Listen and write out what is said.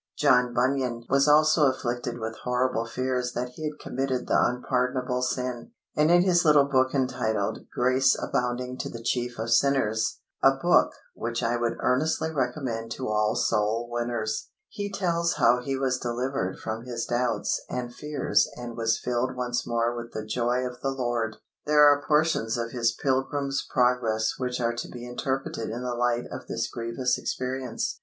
John Bunyan was also afflicted with horrible fears that he had committed the unpardonable sin, and in his little book entitled, "Grace Abounding to the Chief of Sinners" (a book which I would earnestly recommend to all soul winners), he tells how he was delivered from his doubts and fears and was filled once more with the joy of the Lord. There are portions of his "Pilgrim's Progress" which are to be interpreted in the light of this grievous experience.